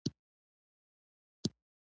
ترڅو موثره درمل تجویز شي او ناروغ ژر ښه شي.